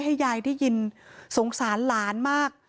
ให้ยายได้ยินสงสารหลานมาก